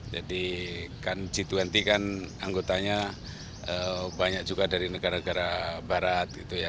jadi kan g dua puluh kan anggotanya banyak juga dari negara negara barat gitu ya